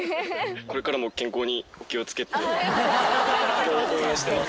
これからも健康にお気をつけ応援してます。